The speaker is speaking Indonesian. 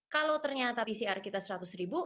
kalau ternyata pcr kita rp seratus